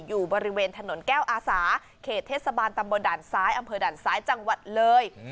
อยู่บริเวณถนนแก้วอาสาเขตเทศบาลตำบลด่านซ้ายอำเภอด่านซ้ายจังหวัดเลย